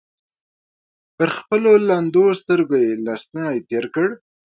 پر خپلو لندو سترګو يې لستوڼۍ تېر کړ.